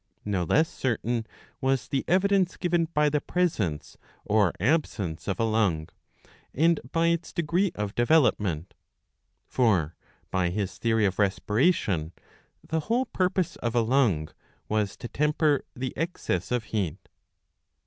No less certain was the evidence given by the presence or absence of a ^ aIm^K^ lung, and by its degree of development. For, by his theory of respira ^^ tlon," the whole purpose of a lung was to temper the excess of heat.